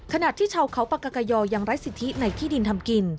ขณะที่ชาวเขาปากกยอยังไร้สิทธิในที่ดินทำกิน